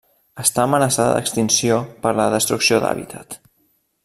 Està amenaçada d'extinció per la destrucció d'hàbitat.